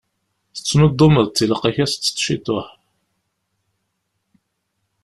Tettnuddumeḍ, ilaq-ak ad teṭṭseḍ ciṭuḥ.